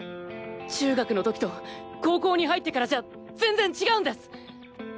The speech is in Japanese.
中学の時と高校に入ってからじゃ全然違うんです！